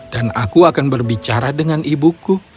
dan aku akan berbicara dengan ibuku